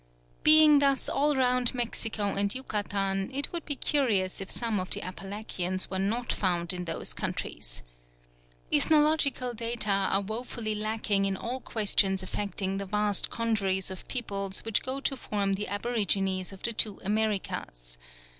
Being thus all round Mexico and Yucatan, it would be curious if some of the Apalachians were not found in those countries. Ethnological data are woefully lacking in all questions affecting the vast congeries of peoples which go to form the aborigines of the two Americas.